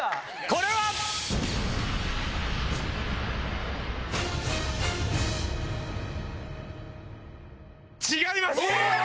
これは？違います。